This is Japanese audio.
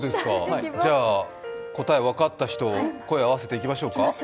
じゃあ、答え分かった人、声合わせていきましょうか。